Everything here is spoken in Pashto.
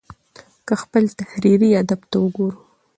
که خپل تحريري ادب ته وګورو